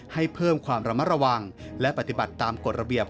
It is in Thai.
ให้เพิ่มความระมัดระวังและปฏิบัติตามกฎระเบียบ